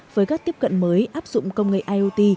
với các tiếp cận mới áp dụng công nghệ iot